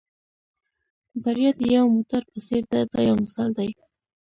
بریا د یو موټر په څېر ده دا یو مثال دی.